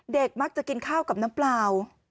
มักจะกินข้าวกับน้ำเปล่า